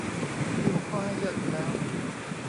มีหัวข้อให้เลือกอยู่แล้ว